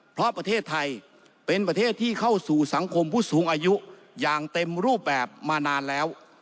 เพราะประเทศไทยเป็นประเทศที่เข้าสู่สังคมผู้สูงอายุอย่างเต็มรูปแบบมานานแล้ว